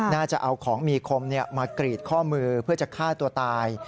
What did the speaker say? น่าจะเอาของมีคมมากรีดข้อมือเพื่อจะฆ่าตัวตาย